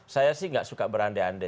saya sih tidak suka berande ande